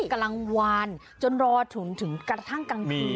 กลางวานจนรอถึงกระทั่งกลางคืน